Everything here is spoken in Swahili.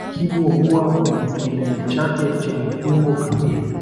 Kibo huwa kwenye kilele chake chenye umbo kamili